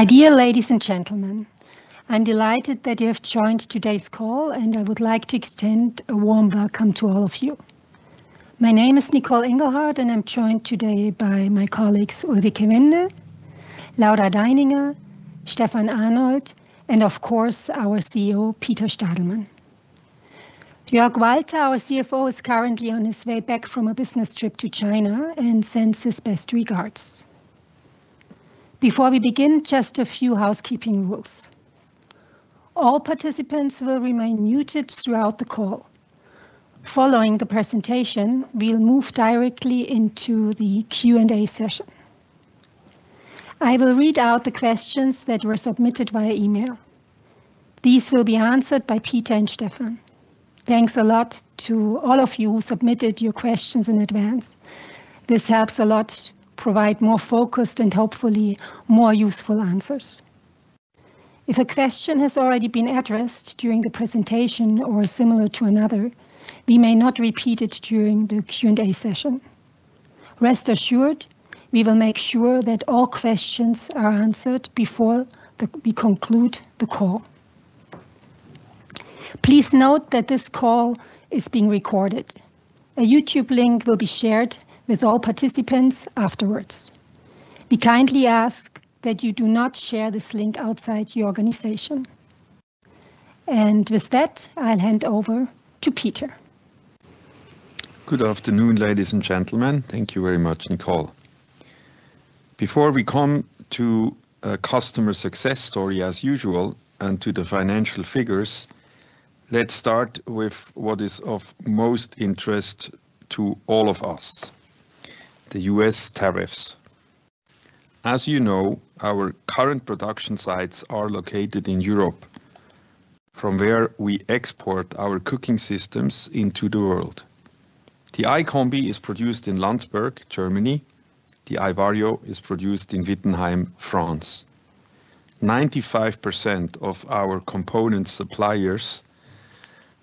My dear ladies and gentlemen, I'm delighted that you have joined today's call and I would like to extend a warm welcome to all of you. My name is Nicole Engelhard and I'm joined today by my colleagues Ulrike Wende, Laura Deininger, Stefan Arnold and of course our CEO, Peter Stadelmann. Jörg Walter, our CFO, is currently on his way back from a business trip to China and sends his best regards. Before we begin, just a few housekeeping rules. All participants will remain muted throughout the call. Following the presentation, we'll move directly into the Q&A session. I will read out the questions that were submitted via email. These will be answered by Peter and Stefan. Thanks a lot to all of you who submitted your questions in advance. This helps a lot provide more focused and hopefully more useful answers. If a question has already been addressed during the presentation or similar to another, we may not repeat it during the Q&A session. Rest assured, we will make sure that all questions are answered before we conclude the call. Please note that this call is being recorded. A YouTube link will be shared with all participants. Afterwards, we kindly ask that you do not share this link outside your organization. With that I'll hand over to Peter. Good afternoon ladies and gentlemen. Thank you very much, Nicole. Before we come to a customer success story as usual and to the financial figures, let's start with what is of most interest to all of us. The U.S. tariffs. As you know, our current production sites are located in Europe from where we export our cooking systems into the world. The Ikombi is produced in Landsberg, Germany. The Ivario is produced in Wittenheim, France. 95% of our component suppliers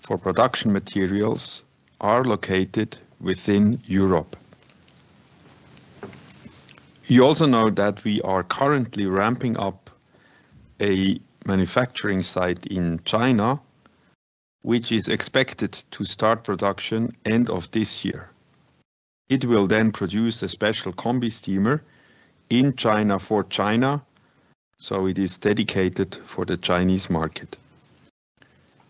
for production materials are located within Europe. You also know that we are currently ramping up a manufacturing site in China which is expected to start production end of this year. It will then produce a special combi steamer in China for China, so it is dedicated for the Chinese market.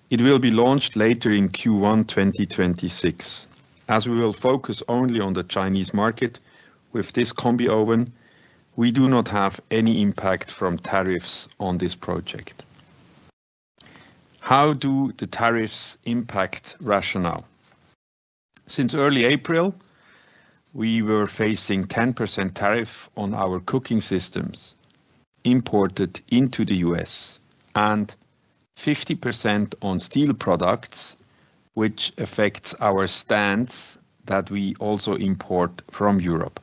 It will be launched later in Q1 2026 as we will focus only on the Chinese market with this combi oven, we do not have any impact from tariffs on this project. How do the tariffs impact RATIONAL. Since early April we were facing 10% tariff on our cooking systems imported into the U.S. and 50% on steel products which affects our stands that we also import from Europe.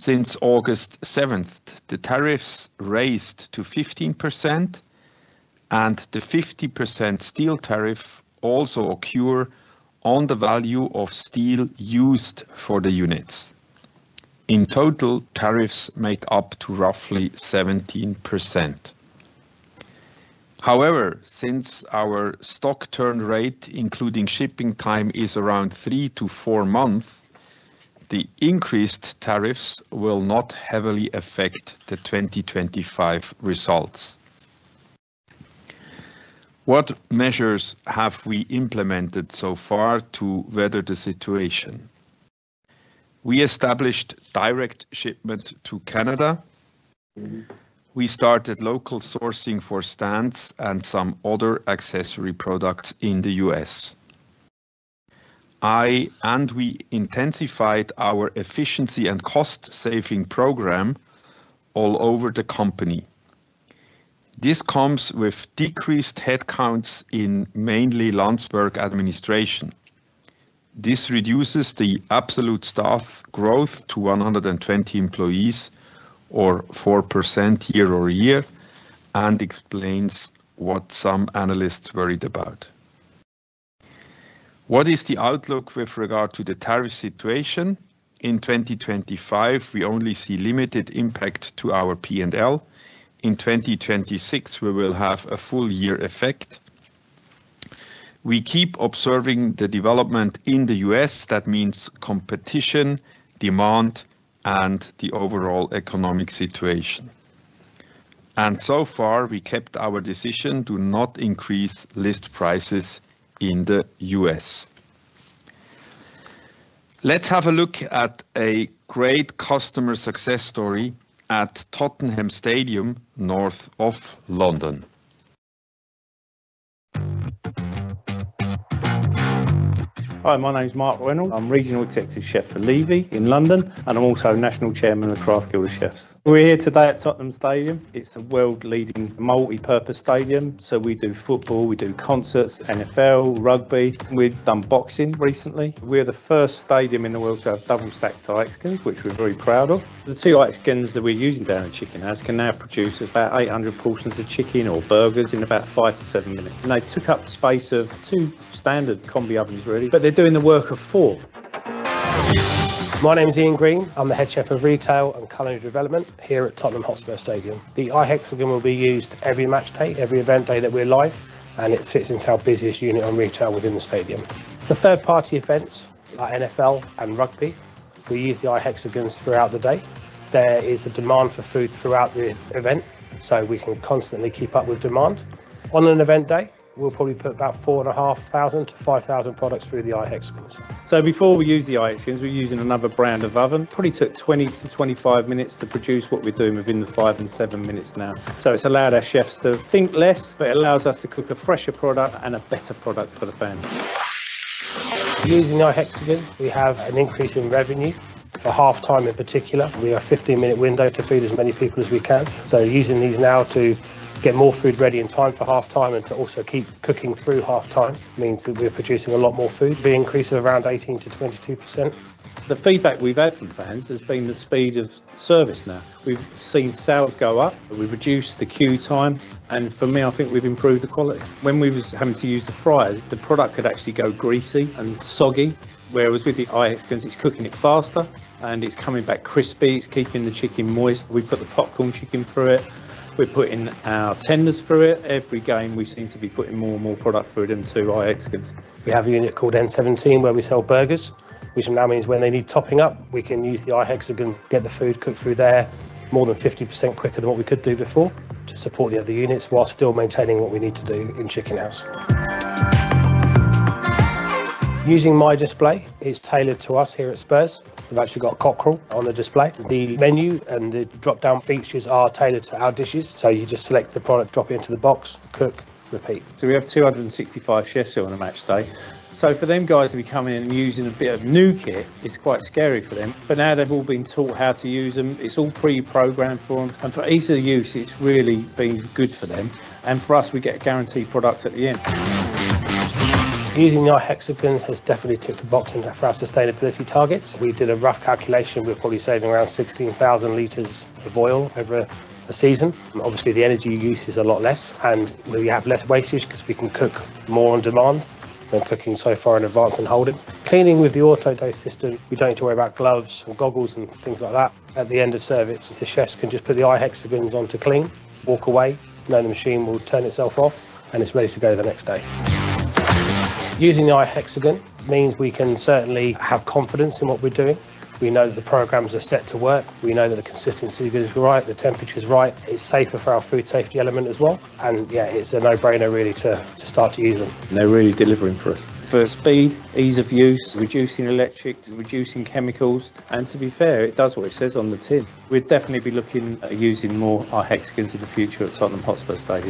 Since August 7, the tariffs raised to 15% and the 50% steel tariff also occur on the value of steel used for the units. In total, tariffs make up to roughly 17%. However, since our stock turn rate, including shipping time is around three to four months. The increased tariffs will not heavily affect the 2025 results. What measures have we implemented so far to weather the situation? We established direct shipment to Canada, we started local sourcing for stands and some other accessory products in the U.S. and we intensified our efficiency and cost saving program all over the company. This comes with decreased headcounts in mainly Landsberg administration. This reduces the absolute staff growth to 120 employees or 4% year-over-year and explains what some analysts worried about. What is the outlook with regard to the tariff situation in 2025 we only see limited impact to our P&L. In 2026 we will have a full year effect. We keep observing the development in the U.S. that means competition, demand and the overall economic situation. So far we kept our decision to not increase list prices in the U.S. Let's have a look at a great customer success story at Tottenham Hotspur Stadium north of London. Hi, my name is Mark Reynolds, I'm regional executive chef for Levy in London and I'm also national chairman of Craft Guild Chefs. We're here today at Tottenham Stadium. It's a world leading multi purpose stadium. So we do football, we do concerts, NFL rugby, we've done boxing recently. We're the first stadium in the world to have double stacked tiikeskins which we're very proud of. The two ice skins that we're using down in Chicken house can now produce about 800 portions of chicken or burgers in about five to seven minutes. And they took up space of two standard combi ovens really, but they're doing the work of four. My name is Ian Green, I'm the head chef of retail and culinary development here at Tottenham Hotspur Stadium. The I hexagon will be used every matchday, every event day that we're live and it fits into our busiest unit on retail within the stadium. The third party events like NFL and rugby, we use the Ihexagons throughout the day. There is a demand for food throughout the event so we can constantly keep up with demand. On an event day we'll probably put about four and a half thousand to five thousand products through the iHexagons. So before we use the iHexagons we're using another brand of oven. Probably took 20-25 minutes to produce what we're doing within the five and seven minutes now. So it's allowed our chefs to think less, but it allows us to cook a fresher product and a better product for the family. Using our hexagons we have an increase in revenue for half time. In particular, we have a 15 minute window to feed as many people as we can. So using these now to get more food ready in time for half time and to also keep cooking through half time means that we're producing a lot more food. The increase of around 18%-22%. The feedback we've had from fans has been the speed of service. Now we've seen salad go up, we've reduced the queue time and for me, I think we've improved the quality. When we was having to use the fryers, the product could actually go greasy and soggy, whereas with the iHexagon, it's cooking it faster and it's coming back crispy, it's keeping the chicken moist. We put the popcorn chicken through it, we're putting our tenders through it. Every game we seem to be putting more and more product through them. To iHexagons, we have a unit called N17 where we sell burgers, which now means when they need topping up, we can use the iHexagons, get the food cooked through there more than 50% quicker than what we could do before to support the other units whilst still maintaining what we need to do in chicken house. Using my display is tailored to us here at Spurs, we've actually got cockerel on the display. The menu and the drop down features are tailored to our dishes. So you just select the product, drop it into the box, cook, repeat. So we have 265 chefs here on a match day, so for them guys to be coming in and using a bit of new kit, it's quite scary for them. But now they've all been taught how to use them. It's all pre programmed for them and for ease of use, it's really been good for them and for us. We get a guaranteed product at the end. Using our iHexagon has definitely tipped boxing for our sustainability targets. We did a rough calculation. We're probably saving around 16,000 liters of oil over a season. Obviously the energy use is a lot less and we have less wastage because we can cook more on demand than cooking so far in advance and hold it cleaning. With the auto dose system, we don't need to worry about gloves and goggles and things like that. At the end of service, the chefs can just put the iHexagons on to clean, walk away, then the machine will turn itself off and it's ready to go the next day. Using the iHexagon means we can certainly have confidence in what we're doing. We know that the programs are set to work, we know that the consistency is right, the temperature is right, it's safer for our food safety element as well. And yeah, it's a no brainer really to start to use them. They're really delivering for us for speed, ease of use, reducing electric, reducing chemicals. And to be fair, it does what it says on the tin. We'd definitely be looking at using more our Hexagon into the future at Tottenham Hotspur stage.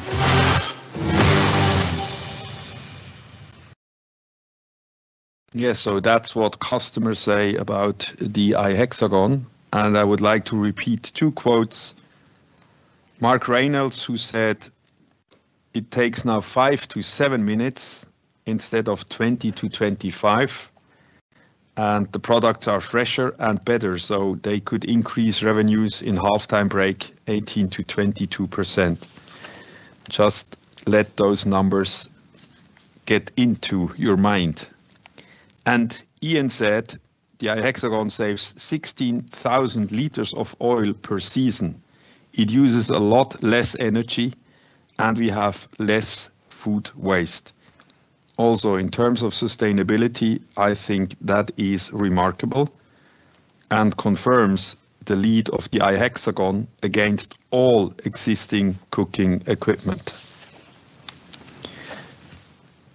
Yes. So that's what customers say about the iHexagon. And I would like to repeat two quotes. Mark Reynolds who said it takes now five to seven minutes instead of 20-25 and the products are fresher and better. So they could increase revenues in half time break 18%-22%. Just let those numbers get into your mind. And Ian said The iHexagon saves 16,000 liters of oil per season. It uses a lot less energy and we have less food waste. Also in terms of sustainability, I think that is remarkable and confirms the lead of the iHexagon against all existing cooking equipment.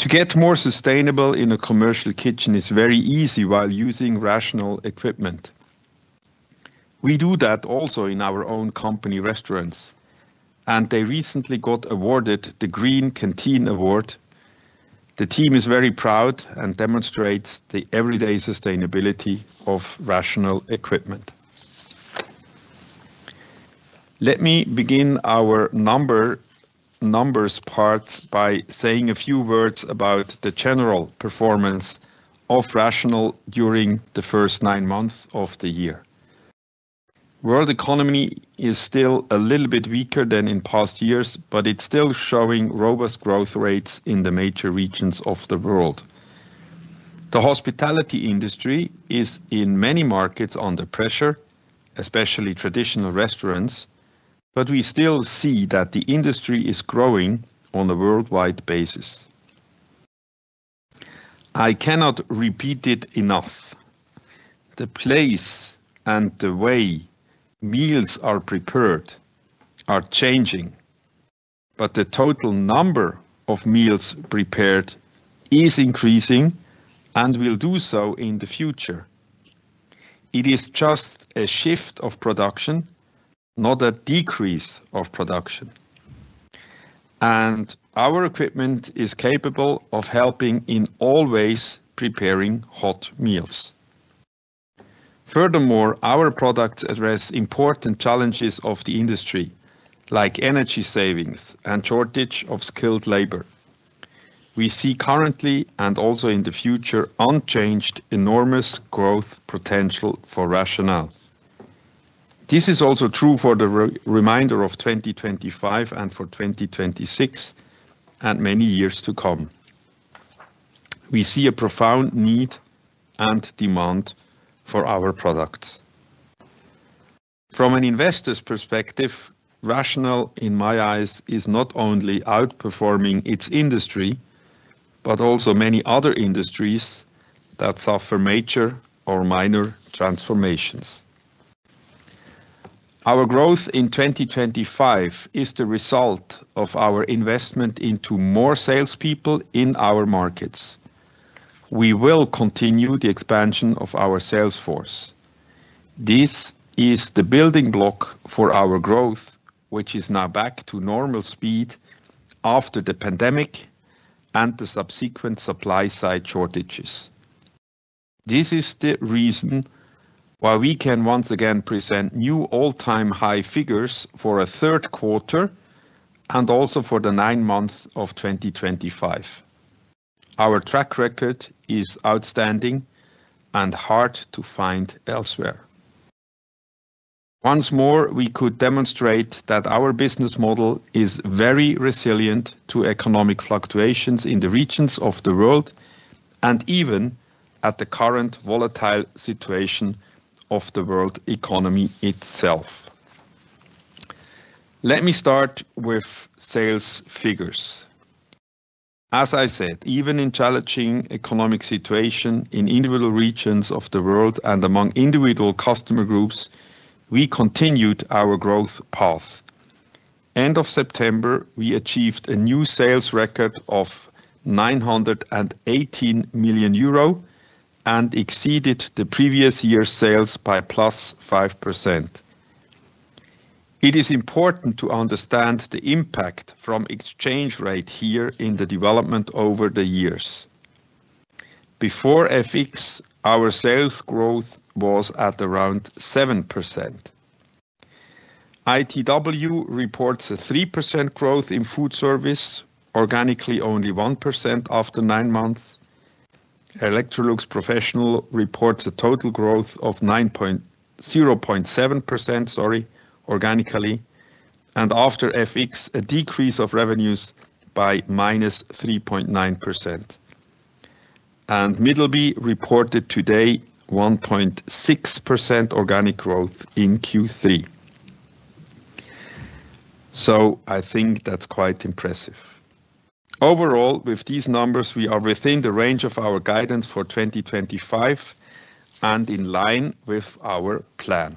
To get more sustainable in a commercial kitchen is very easy while using RATIONAL equipment. We do that also in our own company restaurants and they recently got awarded the Green Canteen Award. The team is very proud and demonstrates the everyday sustainability of RATIONAL equipment. Let me begin our number, numbers parts by saying a few words about the general performance of RATIONAL during the first nine months of the year. World economy is still a little bit weaker than in past years, but it's still showing robust growth rates in the major regions of the world. The hospitality industry is in many markets under pressure, especially traditional restaurants. But we still see that the industry is growing on a worldwide basis. I cannot repeat it enough. The place and the way meals are prepared are changing, but the total number of meals prepared is increasing and will do so in the future. It is just a shift of production, not a decrease of production. And our equipment is capable of helping in all ways preparing hot meals. Furthermore, our products address important challenges of the industry like energy savings and shortage of skilled labor. We see currently and also in the future unchanged enormous growth potential for RATIONAL. This is also true for the remainder of 2025 and for 2026 and many years to come. We see a profound need and demand for our products. From an investors perspective. RATIONAL in my eyes is not only outperforming its industry, but also many other industries that suffer major or minor transformations. Our growth in 2025 is the result of our investment into more salespeople in our markets. We will continue the expansion of our sales force. This is the building block for our growth which is now back to normal speed after the pandemic and the subsequent supply side shortages. This is the reason why we can once again present new all time high figures for a third quarter and also for the nine months of 2025. Our track record is outstanding and hard to find elsewhere. Once more we could demonstrate that our business model is very resilient to economic fluctuations in the regions of the world and even at the current volatile situation of the world economy itself. Let me start with some sales figures. As I said, even in challenging economic situation in individual regions of the world and among individual customer groups, we continued our growth path. End of September we achieved a new sales record of 918 million Euro and exceeded the previous year's sales by +5%. It is important to understand the impact from exchange rate here in the development over the years. Before Efix our sales growth was at around 7%. ITW reports a 3% growth in food service organically, only 1% after nine months. Electrolux Professional reports a total growth of 0.7% organically. And after FX a decrease of revenues by -3.9%. And Middleby reported today 1.6% organic growth in Q3. So I think that's quite impressive. Overall with these numbers we are within the range of our guidance for 2025 and in line with our plan.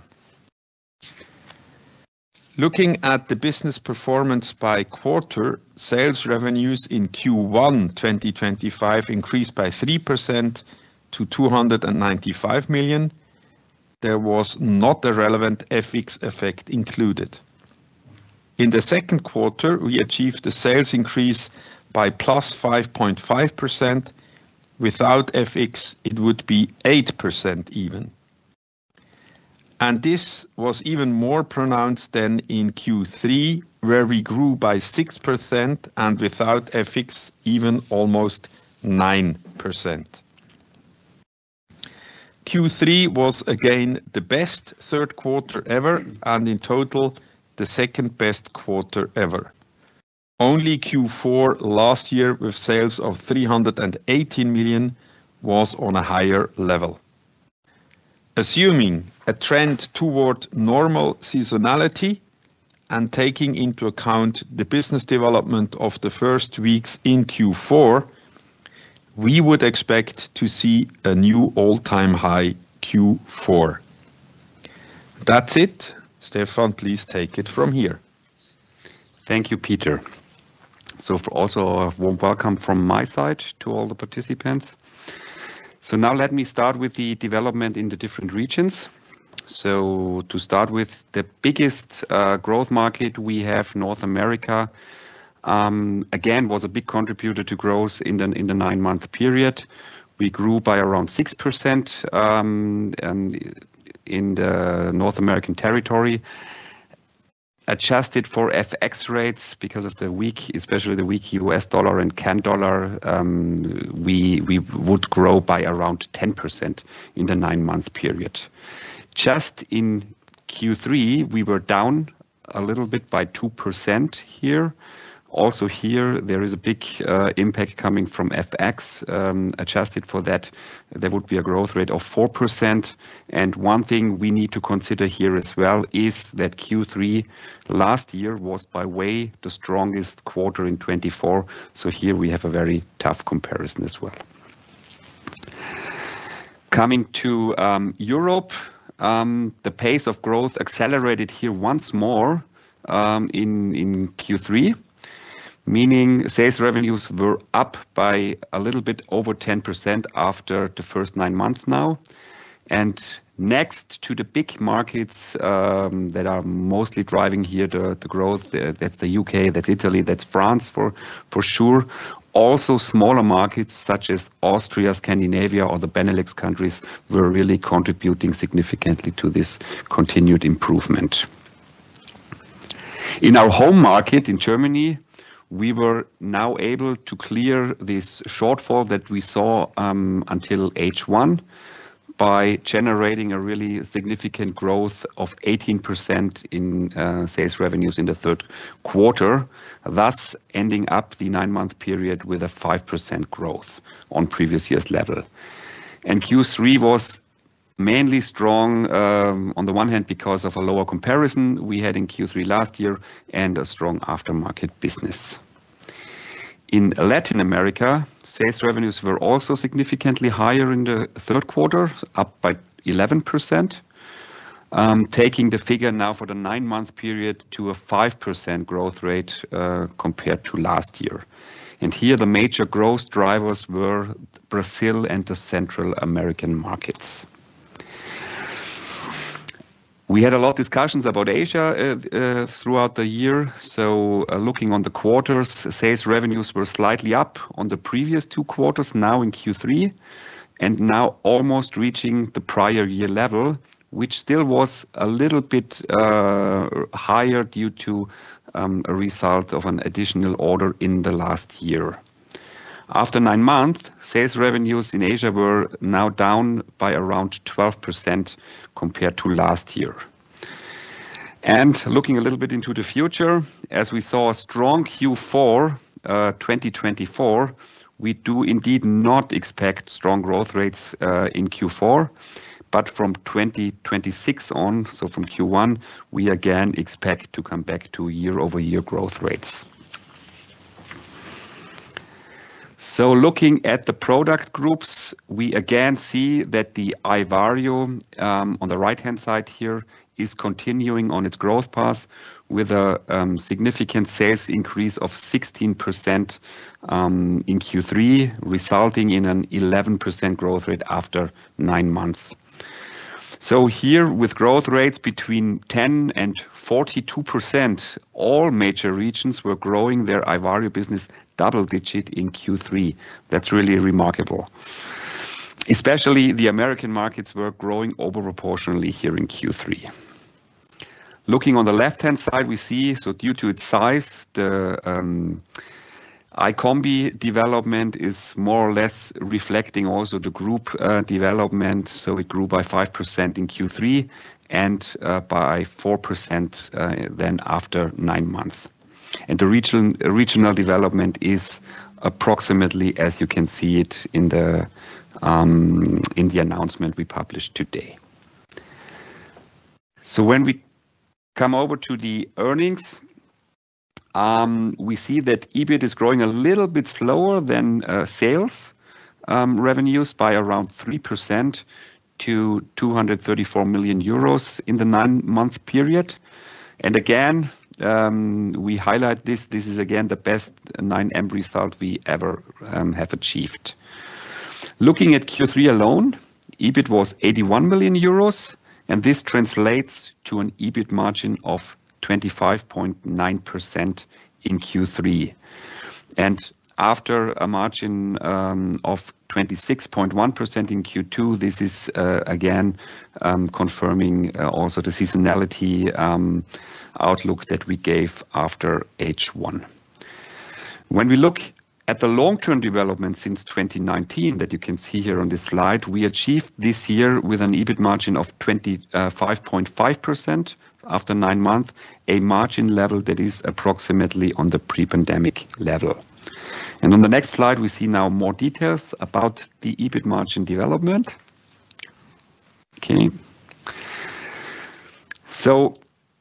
Looking at the business performance by quarter, Sales revenues in Q1, 2025 increased by 3% to 295 million. There was not a relevant FX effect included. In the second quarter we achieved the sales increase by +5.5%. Without EFIX it would be 8% even. And this was even more pronounced than in Q3 where we grew by 6% and without ethics, even almost 9%. Q3 was again the best third quarter ever and in total the second best quarter ever. Only Q4 last year with sales of 318 million was on a higher level. Assuming a trend toward normal seasonality and taking into account the business development of the first weeks in Q4, we would expect to see a new all time high. Q4. That's it, Stefan, please take it from here. Thank you, Peter. So also a warm welcome from my side to all the participants. So now let me start with the development in the different regions. So to start with the biggest growth market we have, North America again was a big contributor to growth. In the nine month period we grew by around 6%. And in the North American territory, adjusted for FX rates because of the weak, especially the weak U.S. dollar and CAN dollar, we would grow by around 10% in the nine month period. Just in Q3 we were down a little bit by 2% here. Also here there is a big impact coming from FX. Adjusted for that, there would be a growth rate of 4%. And one thing we need to consider here as well is that Q3 last year was by way the strongest quarter in 2024. So here we have a very tough comparison as well. Coming to Europe, the pace of growth accelerated here Once more in Q3, meaning sales revenues were up by a little bit over 10% after the first nine months now. And next to the big markets that are mostly driving here the growth, that's the U.K., that's Italy, that's France for sure. Also smaller markets such as Austria, Scandinavia or the Benelux countries were really contributing significantly to this continued improvement. In our home market in Germany we were now able to clear this shortfall that we saw until H1 by generating a really significant growth of 18% in sales revenues in the third quarter, thus ending up the nine month period with a 5% growth on previous year's level. And Q3 was mainly strong on the one hand because of a lower comparison we had in Q3 last year and a strong aftermarket business in Latin America. Sales revenues were also significantly higher in the third quarter, up by 11%. Taking the figure now for the nine month period to a 5% growth rate compared to last year. And here the major growth drivers were Brazil and the Central American markets. We had a lot of discussions about Asia throughout the year. So looking on the quarters, sales revenues were slightly up on the previous two quarters now in Q3 and now almost reaching the prior year level which still was a little bit higher due to a result of an additional order in the last year. After nine months, sales revenues in Asia were now down by around 12% compared to last year. And looking a little bit into the future as we saw a strong Q4 2024, we do indeed not expect strong growth rates in Q4, but from 2026 on. So from Q1 we again expect to come back to year-over-year growth rates. So looking at the product groups we again see that the Ivaru on the right hand side here is continuing on its growth path with a significant sales increase of 16% in Q3 resulting in an 11% growth rate after nine months. So here with growth rates between 10% and 42%, all major regions were growing their Ivario business double digit in Q3. That's really remarkable. Especially the American markets were growing over proportionally. Here in Q3, looking on the left hand side we see so due to its size, the iCombi development is more or less reflecting also the group development. So it grew by 5% in Q3 and by 4% then after nine months. And the regional development is approximately as you can see it in the announcement we published today. So when we come over to the earnings, we see that EBIT is growing a little bit slower than sales revenues by around 3% to 234 million euros in the nine month period. And again we highlight this. This is again the best 9M result we ever have achieved. Looking at Q3 alone, EBIT was 81 million euros. And this translates to an EBIT margin of 25.9% in Q3 and after a margin of 26.1% in Q2. This is again confirming also the seasonality outlook that we gave after H1. When we look at at the long term development since 2019 that you can see here on this slide, we achieved this year with an EBIT margin of 25.5% after nine months, a margin level that is approximately on the pre pandemic level. And on the next slide we see now more details about the EBIT margin development. Okay, so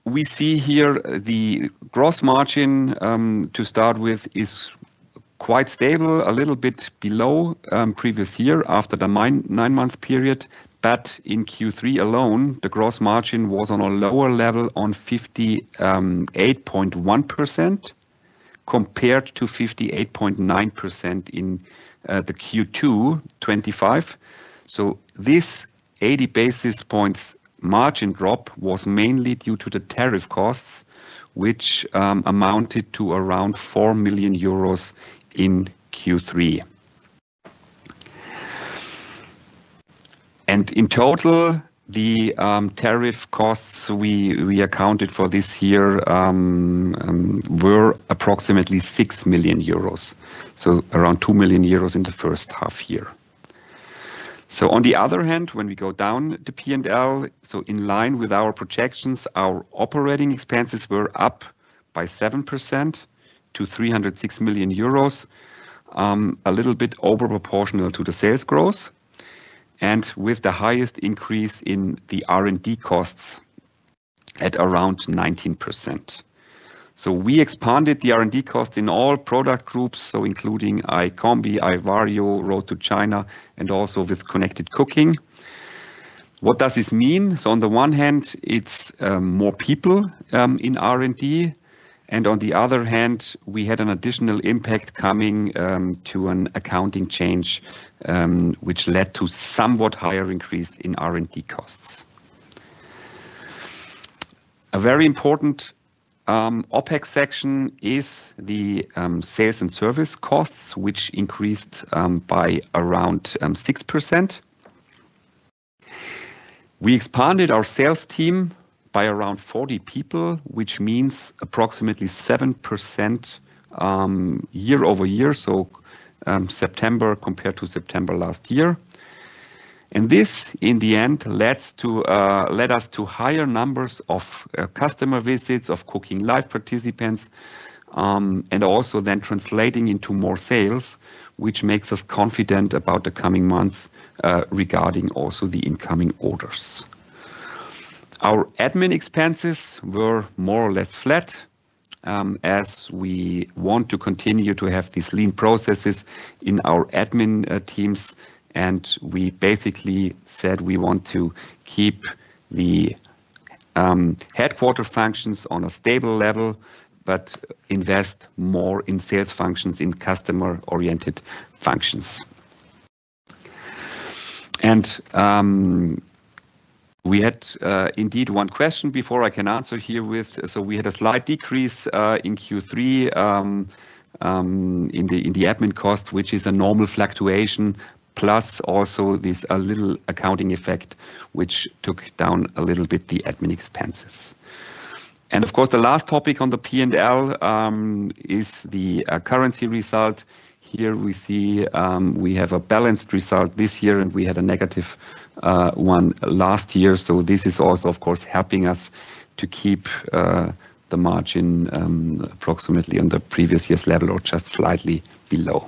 we see here the gross margin to start with is quite stable, a little bit below previous year after the nine month period. But in Q3 alone the gross margin was on a lower level on 58.1% compared to 58.9% in the Q2.25. So this 80 basis points margin drop was mainly due to the tariff costs which amounted to around 4 million euros in Q3. And in total the tariff costs we accounted for this year were approximately 6 million euros, so around 2 million euros in the first half year. So on the other hand when we go down the P&L. So in line with our projections, our operating expenses were up by 7% to 306 million euros. A little bit over proportional to the sales growth. And with the highest increase in the R&D costs at around 19%. So we expanded the R and D cost in all product groups, so including iCombi, iVario, Road to China and also with Connected Cooking. What does this mean? So on the one hand it's more people in R&D and on the other hand we had an additional impact coming to an accounting change which led to somewhat higher increase in R&D costs. A very important OpEx section is the sales and service costs, which increased by around 6%. We expanded our sales team by around 40 people, which means approximately 7% year-over-year. September compared to September last year, and this in the end led us to higher numbers of customer visits, of cooking live participants, and also then translating into more sales, which makes us confident about the coming months. Regarding also the incoming orders, our admin expenses were more or less flat as we want to continue to have these lean processes in our admin teams, and we basically said we want to keep the headquarter functions on a stable level, but invest more in sales functions, in customer-oriented functions. And we had indeed one question before, I can answer here with so we had a slight decrease in Q3 in the admin cost which is a normal fluctuation, plus also this little accounting effect which took down a little bit the admin expenses. And of course the last topic on the P&L is the currency result. Here we see we have a balanced result this year and we had a negative one last year. So this is also of course helping us to keep the margin approximately on the previous year's level or just slightly below.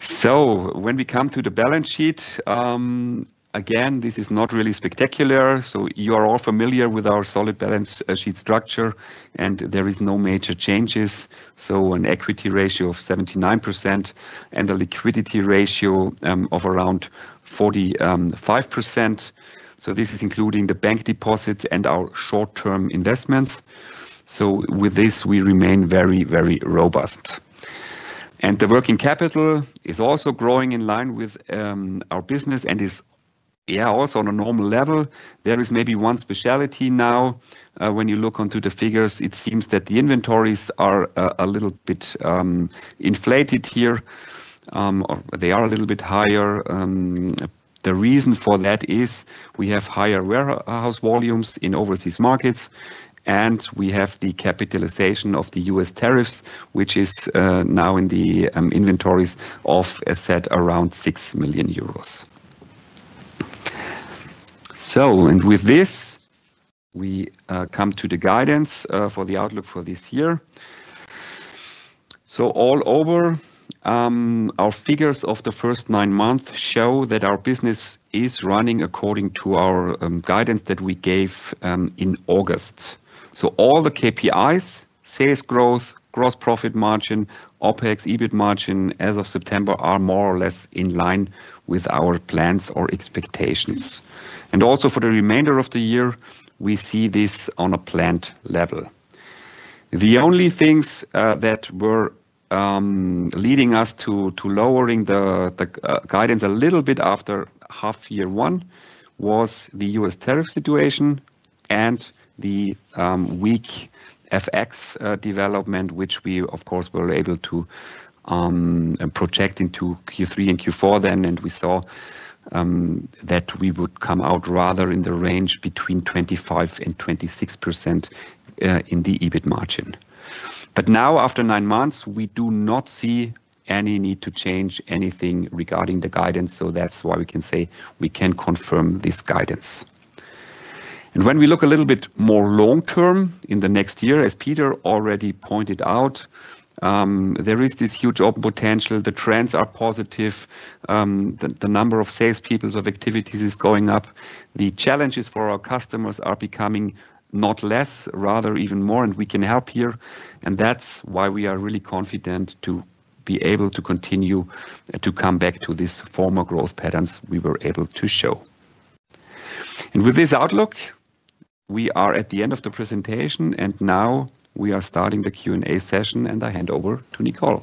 So when we come to the balance sheet again, this is not really spectacular. So you are all familiar with our solid balance sheet structure and there is no major changes. So an equity ratio of 79% and a liquidity ratio of around 45%. So this is including the bank deposits and our short term investments. So with this we remain very, very robust and the working capital is also growing in line with our business and is also on a normal level there is maybe one specialty. Now when you look onto the figures, it seems that the inventories are a little bit inflated here. They are a little bit higher. The reason for that is we have higher warehouse volumes in overseas markets and we have the capitalization of the U.S. tariffs which is now in the inventories of said around EUR 6 million. So and with this we come to the guidance for the outlook for this year. So all over our figures of the first nine months show that our business is running according to our guidance that we gave in August. So all the KPIs, sales growth, gross profit margin, OpEx, EBIT margin as of September are more or less in line with our plans or expectations. And also for the remainder of the year we see this on a planned level. The only things that were leading us to lowering the guidance a little bit after half year one was the U.S. tariff situation and the weak FX development which we of course were able to project into Q3 and Q4 then and we saw that we would come out rather in the range between 25% and 26% in the EBIT margin. But now after nine months we do not see any need to change anything regarding the guidance. So that's why we can say we can confirm this guidance and when we look a little bit more long term in the next year, as Peter already pointed out, there is this huge open potential. The trends are positive, the number of salespeople of activities is going up. The challenges for our customers are becoming not less, rather even more. And we can help here and that's why we are really confident to be able to continue to come back to this former growth patterns we were able to show and with this outlook. We are at the end of the presentation and now we are starting the Q&A session and I hand over to Nicole.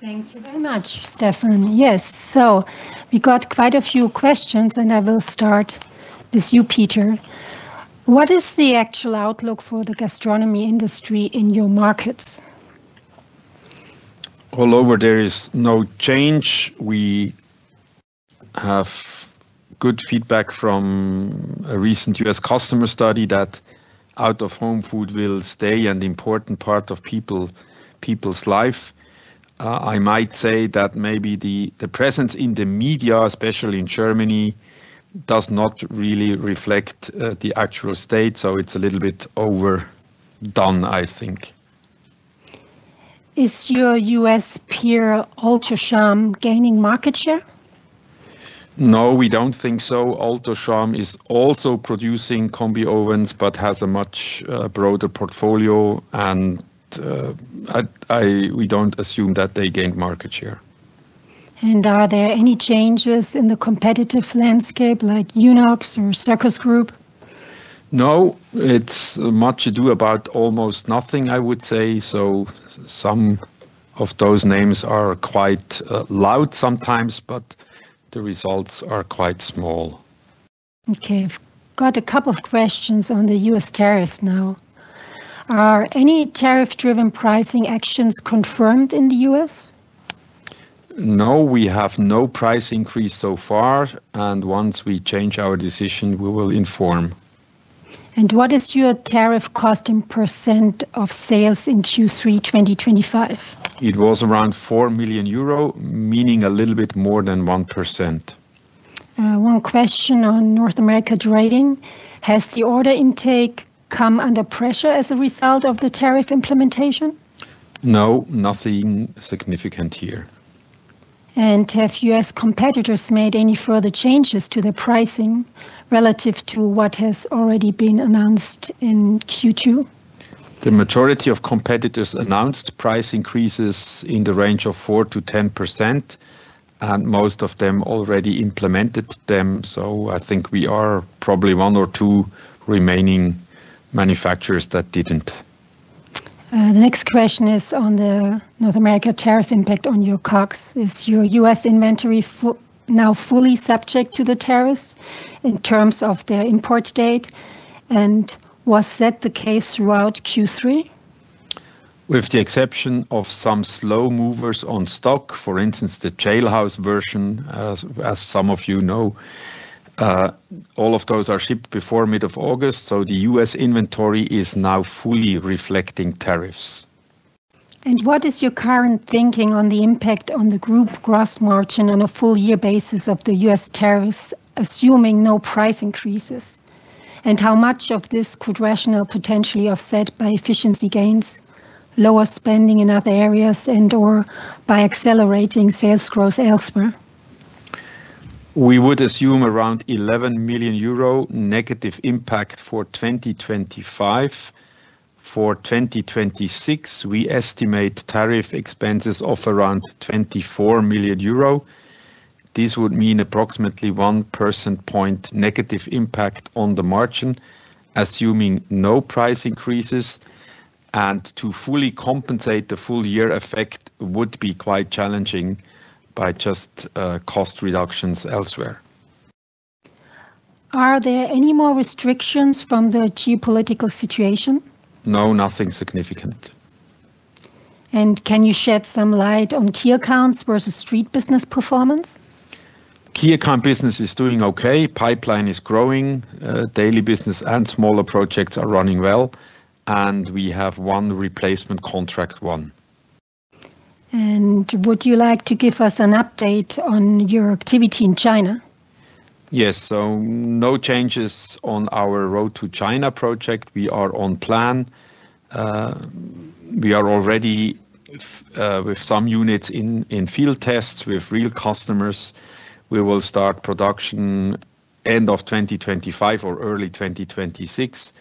Thank you very much Stefan. Yes, so we got quite a few questions and I will start with you Peter. What is the actual outlook for the gastronomy industry in your markets? Well over there is no change. We have good feedback from a recent U.S. customer study that out of home food will stay an important part of people people's life. I might say that maybe the presence in the media, especially in Germany, does not really reflect the actual state. So it's a little bit overdone I think. Is your U.S. peer Alto-Shaam gaining market share? No, we don't think so. Alto-Shaam is also producing Combi Ovens but has a much broader portfolio and we don't assume that they gained market share. And are there any changes in the competitive landscape like UNOPS or Circus Group? No, it's much ado about almost nothing I would say so. Some of those names are quite loud sometimes, but the results are quite small. Okay, I've got a couple of questions on the U.S. tariffs now. Are any tariff driven pricing actions confirmed in the U.S? No, we have no price increase so far and once we change our decision we will inform. And what is your tariff cost in percent of sales in Q3 2025 it? Was around 4 million euro, meaning a little bit more than 1%. One question on North America. Has the order intake come under pressure as a result of the tariff implementation? No, nothing significant here. And have U.S. competitors made any further changes to their pricing relative to what has already been announced in Q2? The majority of competitors announced price increases in the range of 4%-10% and most of them already implemented them. So I think we are probably one or two remaining manufacturers that didn't. The next question is on the North America tariff impact on your cogs. Is your US inventory now fully subject to the tariffs in terms of their import date. And was that the case throughout Q3? With the exception of some slow movers on stock, for instance the jailhouse version, as some of you know all of those are shipped before mid of August. So the U.S. inventory is now fully reflecting tariffs. And what is your current thinking on the impact on the group gross margin on a full year basis of the U.S. tariffs assuming no price increases? And how much of this could RATIONAL potentially offset by efficiency gains, lower spending in other areas and or by accelerating sales growth elsewhere? We would assume around 11 million euro negative impact for 2025. For 2026 we estimate tariff expenses of around 24 million euro. This would mean approximately 1% point negative impact on the margin assuming no price increases. And to fully compensate the full year effect would be quite challenging by just cost reductions elsewhere. Are there any more restrictions from the geopolitical situation? No, nothing significant. Can you shed some light on key accounts versus street business performance? Key account business is doing okay. Pipeline is growing, daily business and smaller projects are running well, and we have one replacement contract won. And would you like to give us an update on your activity in China? Yes. So no changes on our road to China project. We are on plan. We are already with some units in field tests with real customers. We will start production end of 2025 or early 2026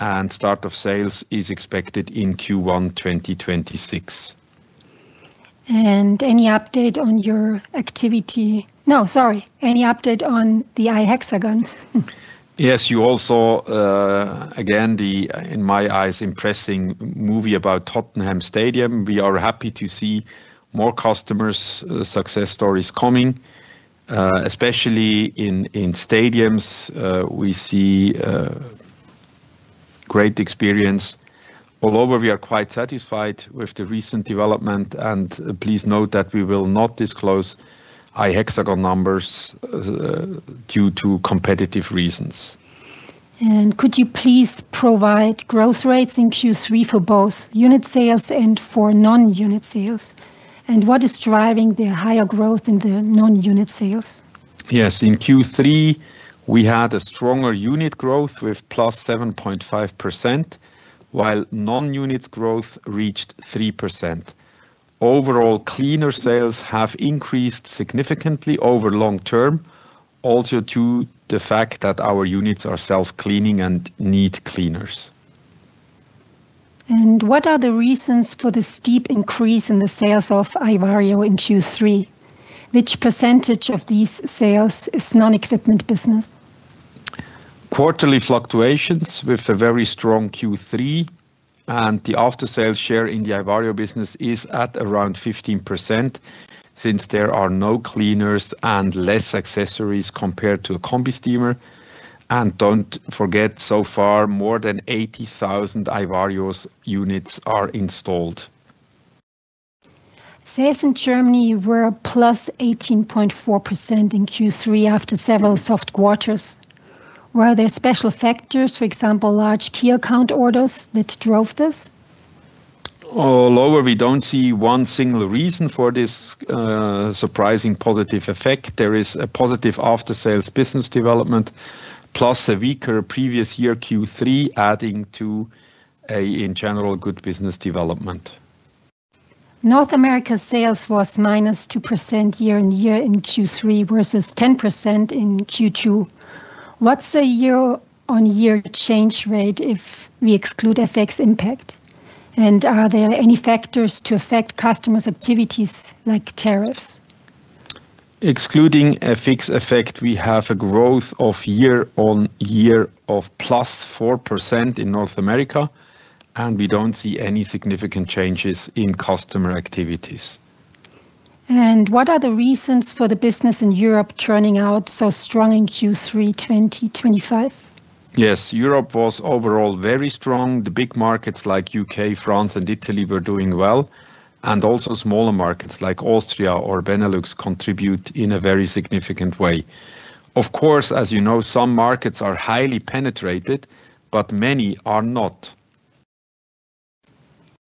and start of sales is expected in Q1 2026. And any update on your activity? No, sorry. Any update on the iHexagon? Yes, you all saw again the in my eyes impressing movie about Tottenham stadium. We are happy to see more customers success stories coming especially in stadiums. We see great experience all over. We are quite satisfied with the recent development. And please note that we will not disclose I hexagon numbers due to competitive reasons. And could you please provide growth rates in Q3 for both unit sales and for non unit sales? And what is driving the higher growth in the non unit sales? Yes, in Q3 we had a stronger unit growth growth with +7.5% while non units growth reached 3%. Overall cleaner sales have increased significantly over long term also due the fact that our units are self cleaning and need cleaners. And what are the reasons for the steep increase in the sales of iVario in Q3? Which percentage of these sales is non equipment business? Quarterly fluctuations with a very strong Q3 and the after sales share in the iVario business is at around 15% since there are no cleaners and less accessories compared to a Combi steamer. And don't forget so far more than 80,000 iVario units are installed. Sales in Germany were +18.4% in Q3 after several soft quarters. Were there special factors for example large tier count orders that drove this? All over we don't see one single reason for this surprising positive effect. There is a positive after sales business development plus a weaker previous year Q3 adding to in general good business development. North America sales was minus 2% year-on-year in Q3 versus 10% in Q2. What's the year-on-year change rate? If we exclude FX impact and are there any factors to affect customers activities. Like tariffs excluding FX effect, we have a growth of of year-on-year of +4% in North America and we don't see any significant changes in customer activities. And what are the reasons for the business in Europe turning out so strong in Q3 2025? Yes, Europe was overall very strong. The big markets like U.K., France and Italy were doing well and also smaller markets like Austria or Benelux contributed in a very significant way. Of course as you know some markets are highly penetrated but many are not.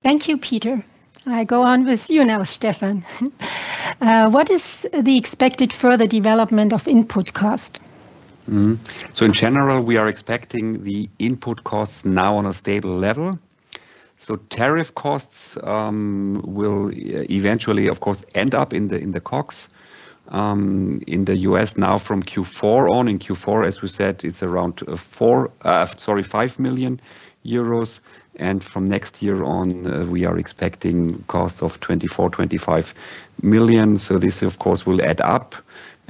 Thank you Peter. I go on with you now Stefan. What is the expected further development of input cost? So in general we are expecting the input costs now on a stable level. So tariff costs will eventually of course end up in the cox in the U.S. Now from Q4 on in Q4 as we said it's around 5 million euros and from next year on we are expecting cost of 24 million, 25 million. So this of course will add up.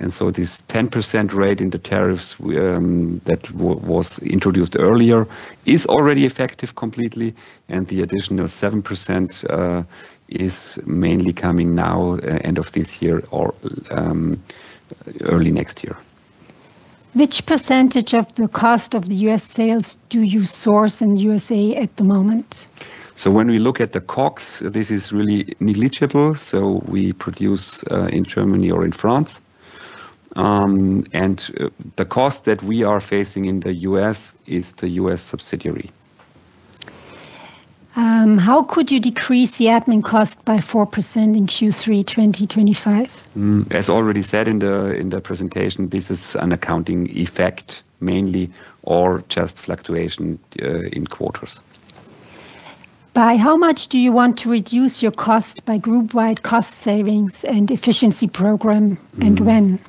And so this 10% rate in the tariffs that was introduced earlier is already effective completely and the additional 7% is mainly coming now end of this year or early next year. Which percentage of the cost of the U.S. sales do you source in the U.S.A. at the moment? So when we look at the cogs this is really negligible. So we produce in Germany or in France and the cost that we are facing in the U.S. is the U.S. subsidiary. How could you decrease the admin cost by 4% in Q3 2025? As already said in the in the presentation, this is an accounting effect mainly or just fluctuation in quarters. By how much do you want to reduce your cost by group wide cost savings and efficiency program and when?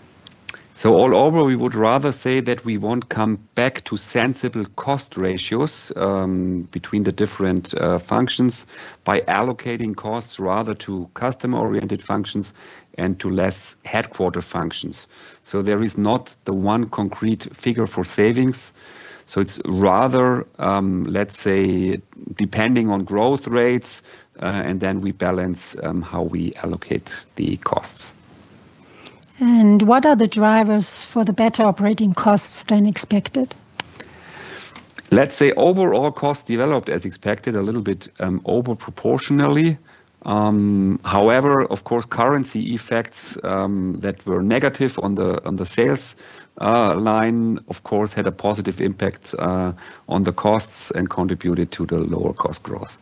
We would rather say that we won't come back to sensible cost ratios between the different functions by allocating costs rather to customer oriented functions and to less headquarter functions. So there is not the one concrete figure for savings. So it's rather, let's say depending on growth rates and then we balance how we allocate the costs. And what are the drivers for the better operating costs than expected? Let's say overall costs developed as expected, a little bit over proportionally. However, of course currency effects that were negative on the, on the sales line of course had a positive impact on the costs and contributed to lower cost growth.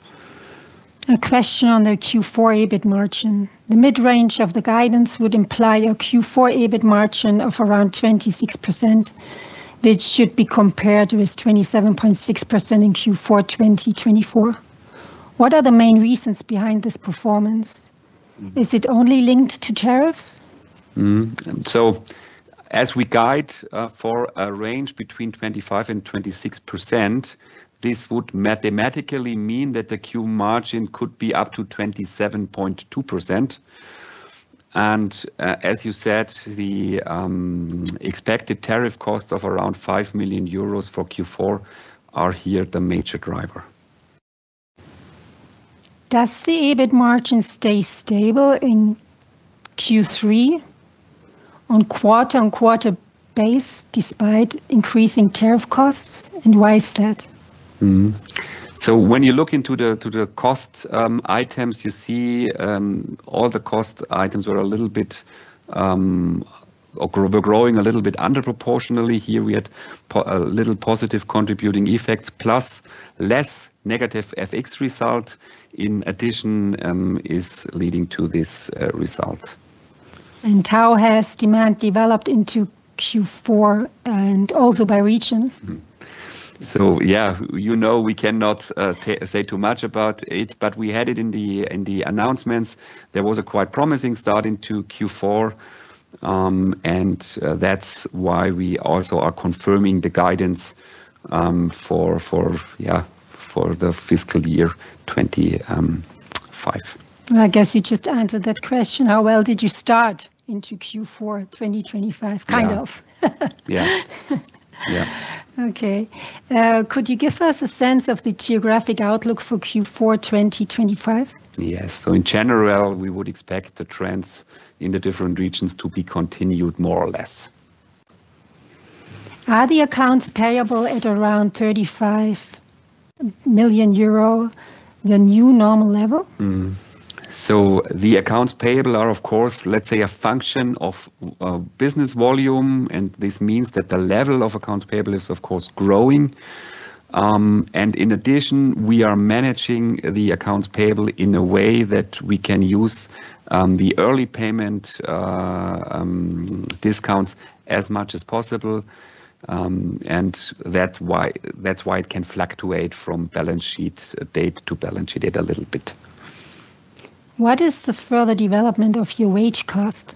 A question on the Q4 EBIT margin. The mid range of the guidance would imply a Q4 EBIT margin of around 26%, which should be compared with 27.6% in Q4 2024. What are the main reasons behind this performance? Is it only linked to tariffs? So as we guide for a range between 25% and 26%, this would mathematically mean that the Q margin could be up to 27.2%. And as you said, the expected tariff costs of around 5 million euros for Q4 are here the major driver. Does the EBIT margin stay stable in Q3 on quarter, on quarter base despite increasing tariff costs? And why is that? So when you look into the to the cost items, you see all the cost items are a little bit growing a little bit under proportionally here we had a little positive contributing effects plus less negative FX result in addition is leading to this result. And how has demand developed into Q4 and also by region? So yeah, you know, we cannot say too much about it, but we had it in the, in the announcements. There was a quite promising start into Q4 and that's why we also are confirming the guidance for, for the fiscal year 25. I guess you just answered that question. How well did you start into Q4? 2025? Kind of, yeah. Okay. Could you give us a sense of the geographic outlook for Q4 2025? Yes. So in general we would expect the trends in the different regions to be continued, more or less. Are the accounts payable at around 35 million euro, the new normal level. So the accounts payable are of course, let's say a function of business volume. And this means that the level of accounts payable is of course growing. And in addition, we are managing the accounts payable in a way that we can use the early payment discounts as much as possible. And that's why it can fluctuate from balance sheet date to balance sheet date a little bit. What is the further development of your wage cost?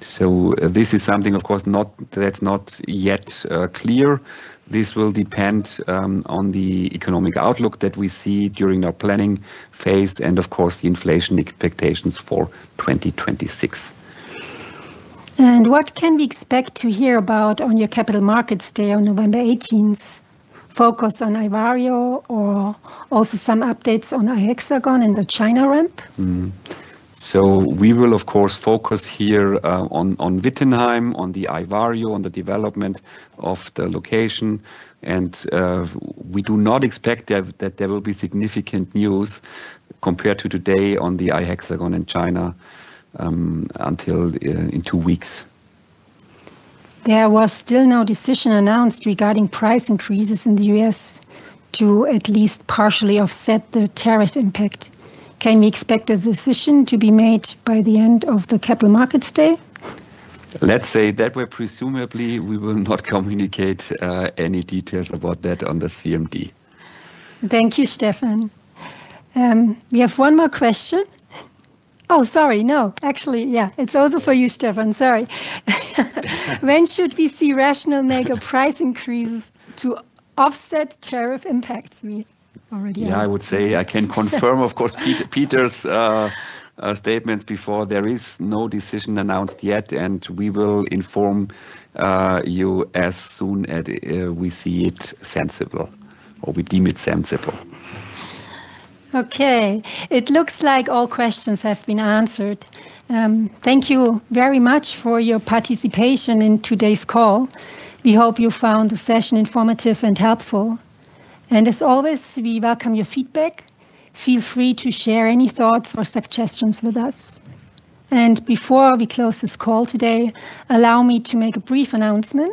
So this is something of course not that's not yet clear. This will depend on the economic outlook that we see see during our planning phase and of course the inflation expectations for 2026. And what can we expect to hear about on your capital markets day on November 18, focus on iVario or also some updates on iHexagon and the China Ramp. So we will of course focus here on Wittenheim, on the iVario, on the development of the location and we do not expect that there will be significant news compared to today on the iHexagon in China until in two weeks. There was still no decision announced regarding price increases in the U.S. to at least partially offset the tariff impact. Can we expect a decision to be made by the end of the Capital Markets day? Let's say that way presumably we will not communicate any details about that on the CMD. Thank you. Stefan, we have one more question. Oh, sorry. No, actually yeah, it's also for you, Stefan. Sorry. When should we see RATIONAL AG price increases to offset tariff impacts? Yeah, I would say I can confirm of course Peter's statements before. There is no decision announced yet and we will inform you as soon as we see it sensible or we deem it sensible. Okay, it looks like all questions have been answered. Thank you very much for your participation in today's call. We hope you found the session informative and helpful and as always, we welcome your feedback. Feel free to share any thoughts or suggestions with us. And before we close this call today, allow me to make a brief announcement.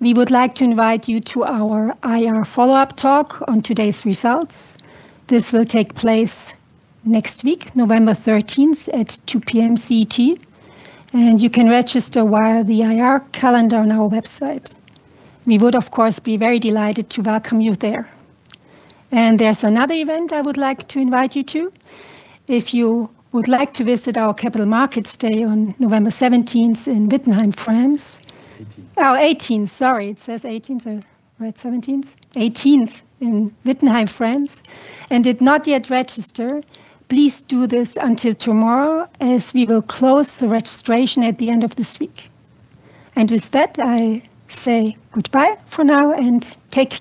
We would like to invite you to our IR follow up talk on today's results. This will take place next week, November 13th at 2pm CET and you can register via the IR calendar on our website. We would of course be very delighted to welcome you there. And there's another event I would like to invite you to. If you would like to visit our capital markets day on November 17th in Wittenheim, France. Our 18th. Sorry, it says 18th. 17th. 18th in Wittenheim, France and did not yet register. Please do this until tomorrow as we will close the registration at the end of the week. And with that I say goodbye for now and take care.